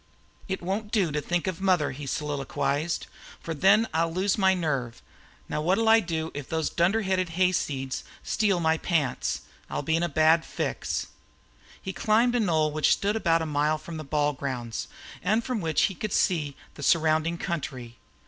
"It won't do to think of mother," he soliloquized, "for then I'll lose my nerve. Now what'll I do if those dunder headed hayseeds steal my pants? I'll be in a bad fix." He climbed a knoll which stood about a mile from the ball grounds, and from which he could see the surrounding country.